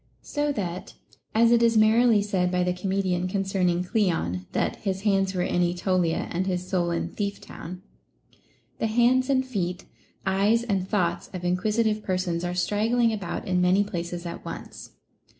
4. So that — as it is merrily said by the comedian con cerning Cleon, that " his hands were in Aetolia, and his soul in Thieftown "*— the hands and feet, eyes and thoughts of inquisitive persons are straggling about in many places at once.